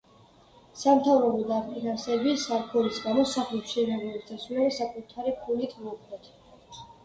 სამთავრობო დაფინანსების არქონის გამო სახლის მშენებლობის დასრულება საკუთარი ფულით მოუხდათ.